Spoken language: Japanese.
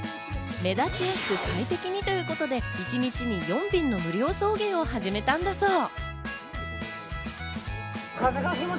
目立ちやすく快適に！ということで、一日に４便の無料送迎を始めたんだそう。